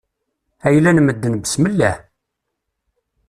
Ayla n medden besmelleh!